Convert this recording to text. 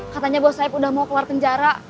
katanya bos saib udah mau keluar penjara